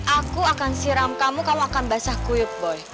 aku akan siram kamu kamu akan basah kuyup boy